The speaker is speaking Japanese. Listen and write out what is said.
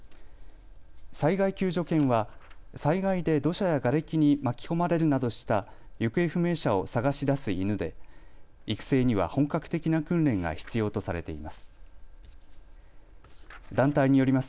災害救助犬は災害で土砂やがれきに巻き込まれるなどした行方不明者を捜し出す犬で育成には本格的な訓練が必要とされています。